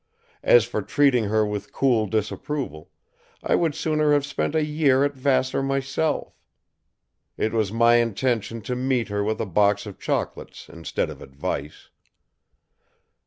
As for treating her with cool disapproval, I would sooner have spent a year at Vassar myself. It was my intention to meet her with a box of chocolates instead of advice.